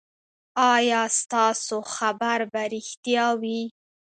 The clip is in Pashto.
ایا ستاسو خبر به ریښتیا وي؟